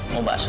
mau mbak asur